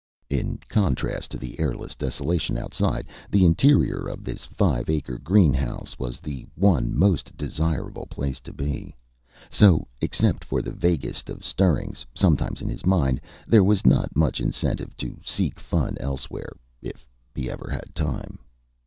In contrast to the airless desolation outside, the interior of this five acre greenhouse was the one most desirable place to be. So, except for the vaguest of stirrings sometimes in his mind, there was not much incentive to seek fun elsewhere. If he ever had time.